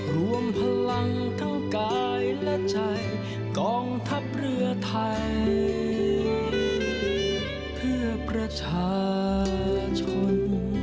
รวมพลังทั้งกายและใจกองทัพเรือไทยเพื่อประชาชน